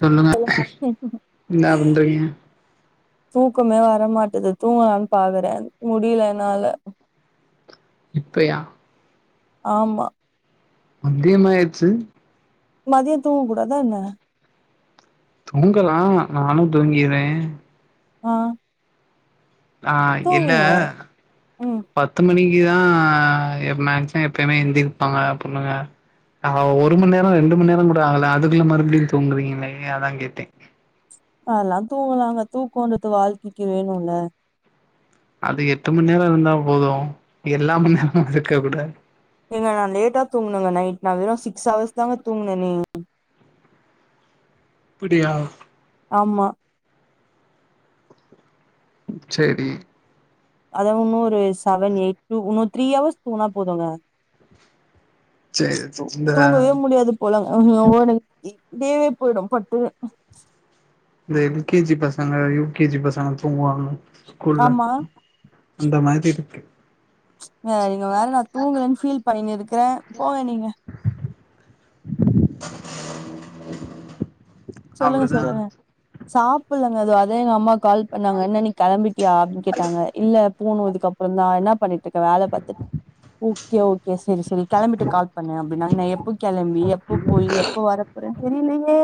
சொல்லுங்க என்ன பண்றீங்க [unintelligible] தூக்கமே வரமாட்டது தூங்கலான் பாக்குறே முடியல என்னால இப்பயா ஆமா மத்தியமாயிர்ச்சு மதியொ தூங்க கூடாதா என்ன தூங்கலா நானூ தூங்கிர்வே ஆஹ் நா இல்லே ம் பத்து மணிக்குதா எப் மேக்சிம எப்பயுமே எந்திரிப்பாங்க பொண்ணுங்க ஆஹ் ஒரு மண் நேரோ ரெண்டு மண் நேரோ கூட ஆகல அதுக்குள்ள மறுபடியு தூங்குறிங்களே அதா கேட்டே அதல்லா தூங்கலாங்க தூக்கோன்றது வாழ்க்கைக்கு வேணூல அது எட்டு மண் நேரோ இருந்தா போதூ எல்லா மண் நேரமூ இருக்கவுட்ரா ஏங்க நா லேட்டா தூங்குணங்க நைட் நா வெறு சிக்ஸ் அவர்ஸ் தாங்க தூங்குனனே அப்புடியா ஆமா சேரீ அதா இன்னு ஒரு செவன் எயிட் டூ இன்னு த்ரீ அவர்ஸ் தூங்ணா போதுங்க சேரி இந்த தூங்கவே முடியாது [unintelligible] தேவே போயிடு பட்டுனு இந்த எல்கேஜி பசங்க யூகேஜி பசங்க தூங்குவாங்க ஸ்கூல்ல ஆமா அந்த மாரி இருக்கு ச் நீங்க வேற நா தூங்கலனு ஃபீல் பண்ணிண்ணு இருக்குற சொல்லுங்க அப்டிதா சொல்லுங்க சாப்பிடலங்க அதே எங்க அம்மாக்கு கால் பண்ணி இப்ப நாங்க என்ன நீ கெளம்பிட்டியா அப்டினு கேட்டாங்க இல்ல போனு இதுக்கு அப்புற தா என்ன பண்ணிட்டு இருக்க வேல பாத்துட்டு இருக் ஓகே ஓகே சேரி சேரி கெளம்பிட்டு கால் பண்ணு அப்படின்னா நா எப்ப கெளம்பி எப்போ போய் எப்ப வரப்போறன் தெரியலையே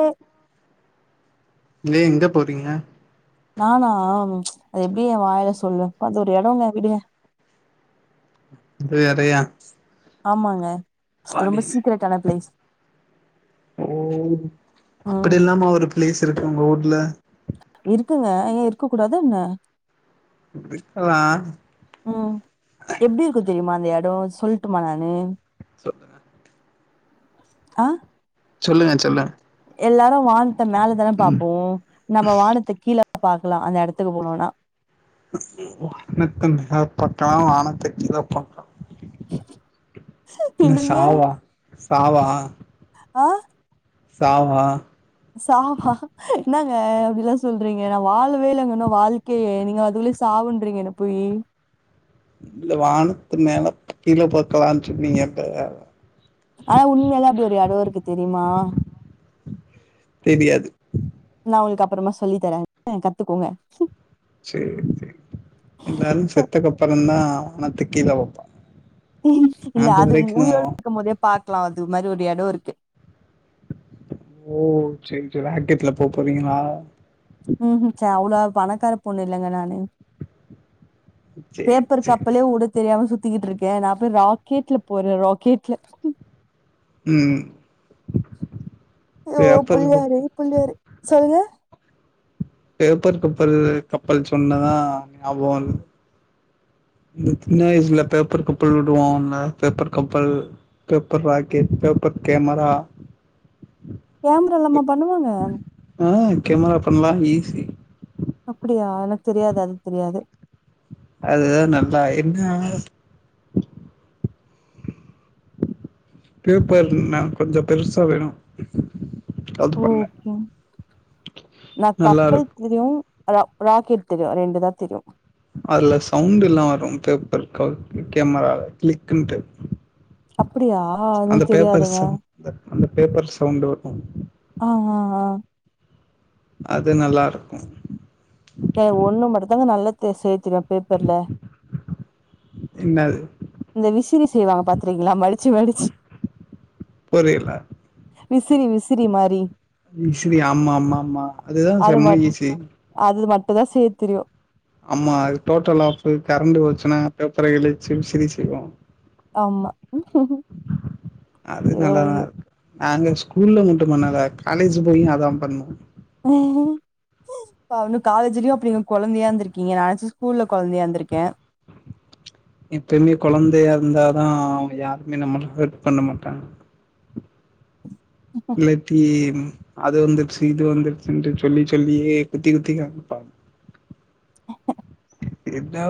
எலே எங்க போறீங்க நானா அது எப்படி என் வாயல சொல்லுவே அது ஒரு எடங்க விடுங்க அது வேறையா ஆமாங்க ரொம்ப பாடினு சீக்ரட் ஆன பிளேஸ் ஓ ம் அப்டி எல்லாம ஒரு பிளேஸ் இருக்கு உங்க ஊர்ல இருக்குங்க ஏ இருக்க கூடாதா என்ன இருக்கலா ம் எப்டி இருக்கு தெரியுமா அந்த எடொ சொல்ட்டுமா நானு சொல்லுங்க ஆ சொல்லுங்க சொல்லுங்க எல்லாரு வானத்த மேல தான பாப்போ நம்ம வானத்த கீழ பாக்கலா அந்த எடத்துக்கு போனோனா தன் பாக்கலாம் வானத்த கீழ பாக்கலா என்ன என்னங்க சாவா சாவா ஆ சாவா சவா என்னங்க இப்டிலா சொல்றீங்க நா வாழ்வே இல்லங்க இன்னும் வாழ் கு நீங்க வந்து அதுவுல்ல சாவுண்றீங்க என்ன போய் இ வானத்து மேல கீழ பக்கலான் சொன்னீங்க ஆனா உண்மையா தா அப்டி ஒரு இடடோஇருக்கு தெரியுமா தெரியாது நா உங்களுக்கு அப்றமா சொல்லி தரேன் கத்துக்கோங்க சேரி சரி எல்லாரு சோ செத்தக்கப்பர தான் வானத்த கீழ வைப்பாங்க இல்ல அது உயிரோட இருக்கு போதே பாக்கலா அது மாரி ஒரு எடோ இருக்கு ஓ சேரி சேரி ராக்கெட்ல போக போறீங்களா ம் சரி அவ்ளோ பணக்கார பொண்ணு இல்லைங்க நானு சரி பேப்பர் சரி கப்பலே உடுத் தெரியாம சுத்திக்கிட்டு இருக்கே நான் போய் ராக்கெட்ல போறே ராக்கெட்ல ம் ம் யோ பேப்பர் கப் புள்ளியாரே புள்ளியாரே சொல்லுங்க பேப்பர் கப்பல் கப்பல் சொன்னதா ஞாபக வருது இந்த சின்ன வயசல பேப்பர் கப்பல் விடுவோல பேப்பர் கப்பல் paper rocket paper camera camera இல்லாம பண்ணுவாங்க அ கேமரா பண்லா ஈஸி அப்டியா எனக்கு தெரியாது அது தெரியாது அதுதா நல்லா என்ன ஸ் பேப்பர்னா கொஞ்சோ பெருசா வேணு அது பண்ணே ஓகே நா நல்லா கப்பல் இருக்கு தெரியு ராக்கெட் தெரியு ரெண்டு தா தெரியு அதுல சவுண்டெல்லா வரும் பேப்பர் க கேமரால கிளிக்குன்ட்டு அப்டியா எனக்கு பேப்பர் தெரியாதுங்க சவுண்ட் அந்த அந்த பேப்பர் சவுண்டு வரு ஆ ஆ ஆ அது நல்லாருக்கு ஏ ஒன்னு மட்டு தாங்க நல்லா தே சேத்துவே பேப்பர்ல என்னது இந்த விசிறி செய்வாங்க பாத்திருக்கீளா மடிச்சு மடிச்சு புரியல விசிறி விசிறி மாரி விசிறி ஆமா ஆமா ஆமா அதுதா அது செம்ம மட் ஈசி அது மட்டு தா செய்ய தெரியு அம்மா அது டோட்டல் ஆஃபு கரண்டு் போச்சுனா பேப்பர கிழிச்சி விசறி செய்வோ ஆமா அது யோ நல்லாதா ஐயோ இருக்கு நாங்க ஸ்கூல்ல மட்டும் பண்ணல காலேஜ் போயு அதா பண்ணோ உஹ்ம் இப்ப அவனு காலேஜ்லயு அப்டிங்க கொழந்தையா இருந்திருக்கீங்க நானாச்சு ஸ்கூல்ல கொழந்தையா இருந்திருக்கே எப்பயுமே கொழந்தையா இருந்தாதா யாருமே நம்மள ஹட் பண்ண மாட்டாங்க இல்லாட்டி அது வந்துருச்சு இது வந்துருச்சுன்ட்டு சொல்லி சொல்லியே குத்தி குத்தி காமிப்பாங் எதோ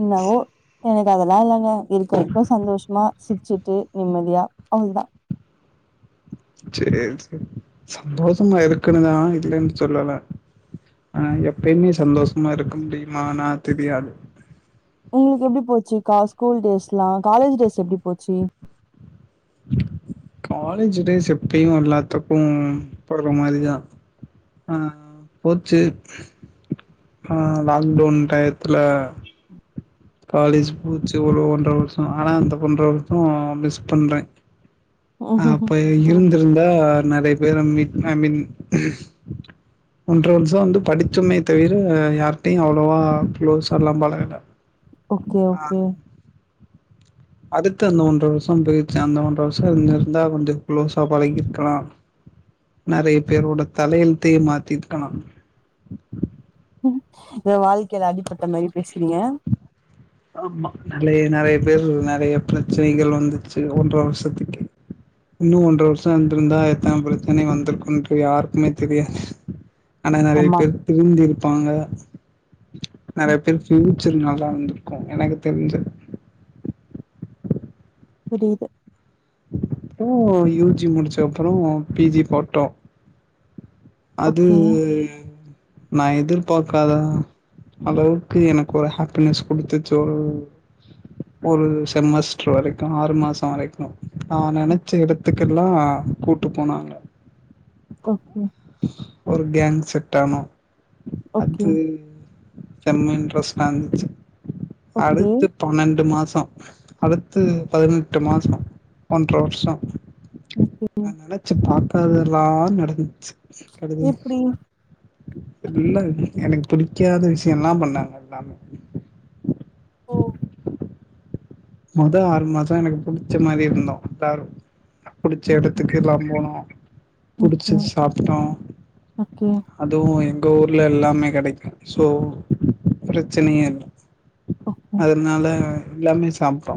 என்னவோ எனக்கு அதெல்லா இல்லங்க இருக்குற வரைக்கோ சந்தோஷமா சிரிச்சுட்டு நிம்மதியா அவ்ளோ தா செரி செரி சந்தோஷமா இருக்கணு தா இல்லன்னு சொல்லல ஆ எப்பயுமே சந்தோஷமா இருக்க முடியுமா ஆனா தெரியாது உங்களுக்கு எப்டி போச்சுக்கா ஸ்கூல் டேஸ்லா காலேஜ் டேஸ் எப்டி போச்சு காலேஜ் டேஸ் எப்பயு எல்லாத்துக்கு போற மாரிதா ஆ போச்சு ஆ லாக்டவுன் டயத்துல காலேஜ் போச்சு எவ்ளோ ஒன்ற வருஷோ ஆனா அந்த ஒன்ற வருஷோ மிஸ் பண்றே அ ம்ஹ்ஹ்ம். அப்ப ம். இருந்திருந்தா நெறைய பேர மீட் ஐ மீன் ஒன்ற வருஷோ வந்து படிச்சோமே தவிர யார்ட்டயு அவ்ளோவா க்ளோஸால்லா பழகல ஓகே ஆ ஓகே அடுத்து அந்த ஒன்ற வருஷோ போயிருச்சு அந்த ஒன்ற வருஷ இருந்தா கொஞ்சோ க்ளோஸா பழகி இருக்கலா நெறைய பேரோட தலையெழுத்தயே மாத்தி இருக்கலா எதோ வாழ்க்கைல அடிப்பட்ட மேரி பேசுறீங்க ஆமா நெறைய நெறைய பேர் நெறைய பிரச்சனைகள் வந்துச்சு ஒன்ற வருஷத்துக்கு இன்னு ஒன்ற வருஷம் இருந்திருந்தா எத்தன பிரச்சினை வந்திருக்குன்டு யாருக்குமே தெரியாது ஆனா நெறைய ஆமா பேர் திருந்தி இருப்பாங்க நெறைய ம். பேர் ஃபியூச்சர் நல்லா இருந்துருக் கா எனக்கு தெரிஞ்சது புரியுது ம் யூ ஜி முடிச்ச அப்புறோ பி ஜி போட்டோ அது ஓகே நா எதிர்பாக்காததா அளவுக்கு எனக்கு ஒரு ஹாப்பினஸ் குடுத்துச்சோ ஒரு செமஸ்டர் வரைக்கு ஆறு மாச வரைக்கு நா ம். நெனைச்ச எடத்துக்கெல்லா கூட்டு போனாங்க ஓகே ஒரு கேங் செட் ஆனோ ஓகே அது செம்ம இன்ட்ரெஸ்டா இருந்துச்சு ஓகே அடுத்து பன்னெண்டு மாசோ அடுத்து பதினெட்டு மாசோ ஒன்ற வருஷோ ஓகே நா நெனச்சு பாக்காதெல்லாம் நடந்துச்சு கடுத எப்டி இல்ல எனக்கு பிடிக்காத விஷயல்லா பண்ணாங்க எல்லாமே மொத ஆறு மாசோ எனக்கு புடிச்ச மாரி இருந்தோ பர் புடிச்ச எடத்துக்குல்லா போனோ ஓகே புடிச்சு சாப்ட்டோ ஓகே அதுவு எங்க ஊர்ல எல்லாமே கடைக்கு சோ பிரச்சனையே இல்ல ஓகே அதுனால எல்லாமே சாப்ட்டோ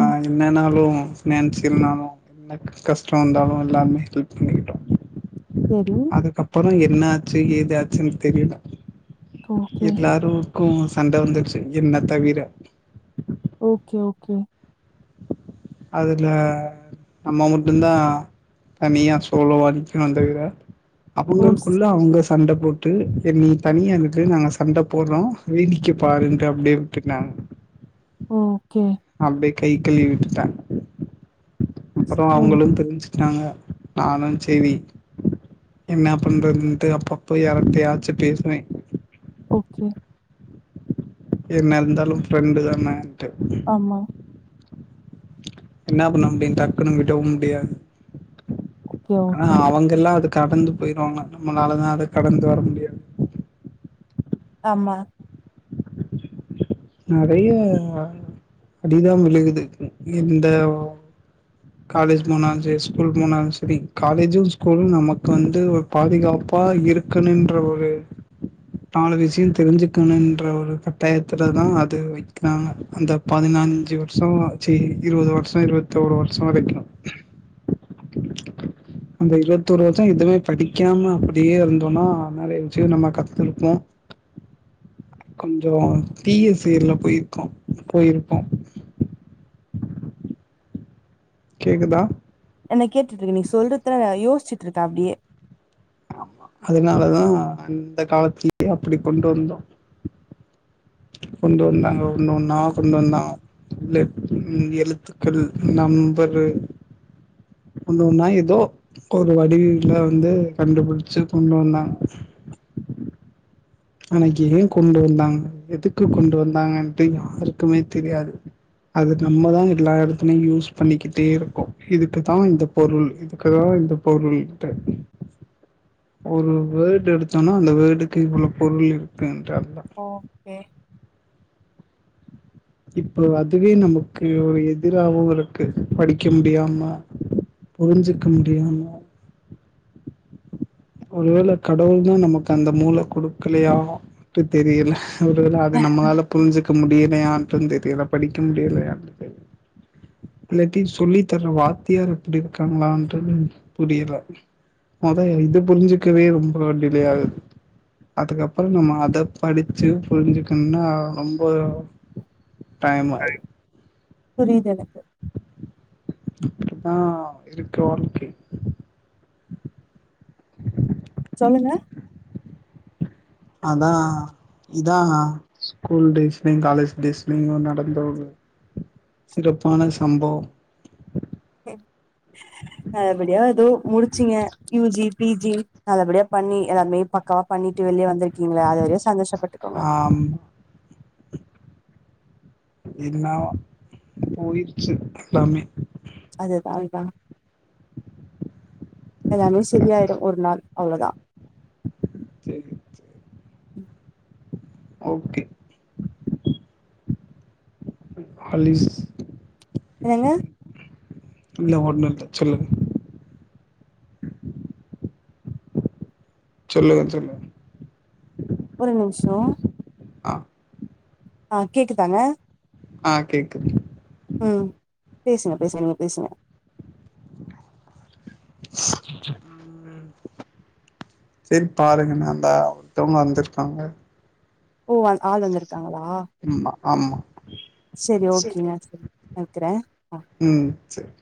ஆ என்னனாலு நெனச்சுருந்தாலு என்ன கஷ்டோ வந்தாலு எல்லாமே ஹெல்ப் பண்ணிக்கிட்டோ செரி அதுக்கப்றோ என்ன ஆச்சு ஏதாச்சுன்னு தெரியல ஓகே எல்லாரு க்கு சண்ட வந்துடுச்சு என்ன தவிர ஓகே ஓகே அதுல நம்ம மட்டுந்தா தனியா சோலோவா நிக்குனு தவிர ஓ ஸ் அவுங்களுக்குள்ள அவுங்க சண்ட போட்டு என் நீ தனியா விடு நாங்க சண்ட போட்றோ வேடிக்க பாருன்ட்டு அப்டியே விட்டுட்டே ஓகே அப்டியே கை கழுவி விட்டுட்டே அப்றோ ம் அவுங்களு தெரிஞ்சு ருவாங்க நானு செரி என்ன பண்றதுன்டு அப்பப்போ எவடயாச்சு பேசுவே ஓகே என்ன இருந்தாலு ஃப்ரெண்டு தானேன்டு ஆமா என்ன பண்ணமுடியு டக்குணு விடவு முடியாது ஓகே ஆனா ஓகே அவங்கல்லா அது கடந்து போயிருவாங்க நம்மளாலதா அத கடந்து வர முடியா ஆமா நறைய அடிதா விழுகுது இந்த காலேஜ் போனாலு செரி ஸ்கூல் போனாலு செரி காலேஜு ஸ்கூலு நமக்கு வந்து ஒரு பாதுகாப்பா இரு க்குனுன்ற ஒரு நாலு விஷயோ தெரிஞ்சுக்கணுன்ற ஒரு கட்டாயத்த துலதா அது வைக்காங்க அந்த பதினஞ்சு வருசோ ச்சி இருவது வருசோ இருவத்தோரு வருசோ வரைக்கு [unintelligible] அந்த இருவத்தோரு வருசோ எதுவுமே படிக்காம அப்டியே இருந்தோனா நறைய விஷயோ நம்ம கத்துருப்போ கொஞ்சோ தீய சேர்ல போய்ருக்கோ போய்ருப்போ கேக்குதா என்ன கேட்டுட்ருக்கே நீ சொல்றதா நா யோசிச்ட்டு இருக்கே அப்டியே ஆமா அதனாலதா அந்த காலத்திலயே அப்டி கொண்டு வந்தோ கொண்டு வந்தாங்க ஒன்னு ஒன்னா கொண்டு வந்தாங் லெப் ன் எழுத்துக்கள் நம்பரு ஒன்னு ஒன்னா எதோ ஒரு வடிவில வந்து கண்டுபுடிச்சு கொண்டு வந்தாங்க ஆனா ஏ கொண்டு வந்தாங்க எதுக்கு கொண்டு வந்தாங்கன்டு யாருக்குமே தெரியாது அது நம்ம தா எல்லா எடத்துலையு யூஸ் பண்ணிக்கிட்டே இருக்கோ இதுக்குதா இந்த பொருள் இதுக்குதா இந்த பொருள் ட்டு ஒரு வேடு எடுத்தோனா அந்த வேடுக்கு இவ்ளோ பொருள் இருக்குன்ற ஓகே இப்போ அதுவே நமக்கு ஒரு எதிராகவு இருக்கு படிக்க முடியாம புரிஞ்சுக்க முடியாம ஒருவேள கடவுள் தா நமக்கு அந்த மூள குடுக்கலையா ட்டு தெரியல ஒருவேள அது நம்மளால புரிஞ்சுக்க முடியலையான்டு தெரியல படிக்க முடியலையானு தெரி இல்லாட்டி சொல்லி தர்ற வாத்தியார் அப்டி இருக்காங்களன்றது புரியல மொத இது புரிஞ்சுக்கவே ரொம்ப டிலே ஆகுது அதுக்கப்றோம அத படிச்சு புரிஞ்சுக்கணும்னா ரொம்போ டைமாய்ரு புரியுது எனக்கு ஆ இருக்கு வாழ்க்கை சொல்லுங்க அதா இதா ஸ்கூல் டேஸ்லயு காலேஜ் டேஸ்லயு நடந்தோங்க சிறப்பான சம்பவம் நல்லபடியா எதோ முடிச்சிங்க யூ ஜி நல்லபடியா பண்ணி எல்லாருமே பக்கவா பண்ணிட்டு வெளிய வந்திருக்கீங்ளே அதுவரயு சந்தோஷப்பட்டுக்கோங்க அம் இன்னா போயிருச்சு எல்லாமே அதுதான்ப்பா எல்லாமே சரியாயிடு ஒரு நாள் அவ்ளோ தா சேரிங் சே ஓக்கே மை ஃபாலிஸ் ஏங்க இல்ல ஒன்னு இல்ல சொல்லுங்க சொல்லுங்க சொல்லுங்க ஒரு நிமிஷோ ஆ ஆ கேக்குதாங்க ஆ கேக்குது ஆ பேசுங்க பேசுங்க நீங்க பேசுங்க ஸ் ஆ செரி பாருங்க நாந்தா ஒருத்தோங்க வந்திருக்காங்க ஓ அங் ஆள் வந்துருக்காங்ளா ம் ஆமா செரி ஓகேங்க சரி வெக்கறே ம் சேர்